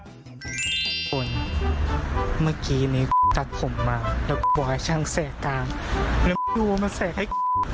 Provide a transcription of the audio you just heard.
ทุกคนเมื่อกี้มีตัดผมมาแล้วก็บอกให้ช่างแสดกลางแล้วดูว่ามันแสดให้